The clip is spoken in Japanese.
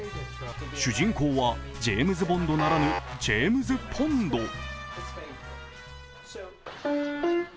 主人公はジェームズ・ボンドならぬジェームズ・ポンド。